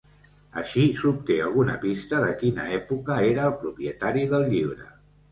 Així, s'obté alguna pista de quina època era el propietari del llibre.